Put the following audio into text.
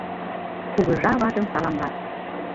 Кугыжа ватым саламлат